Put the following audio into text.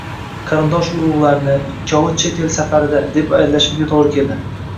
Qarindosh-urug`larni, ikkovi chet el safarida, deb aldashimga to`g`ri keldi